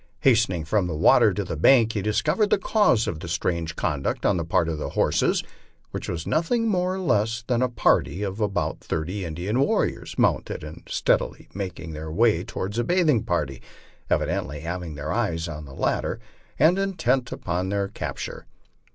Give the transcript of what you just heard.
Hasten ing from the water to the bank, he discovered the cause of the strange conduct on the part of the horses, which was nothing more nor less than a party of about thirty Indian warriors, mounted, and stealthily making their way toward the bathing party, evidently having their eyes on the latter, and intent upon their capture.